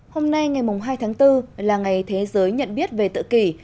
hôm nay ngày hai tháng bốn là ngày thế giới nhận biết về tự kỷ